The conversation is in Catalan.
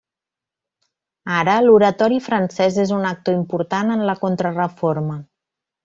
Ara, l'Oratori francès és un actor important en la Contrareforma.